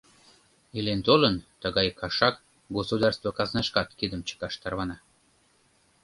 Илен-толын, тыгай кашак государство казнашкат кидым чыкаш тарвана.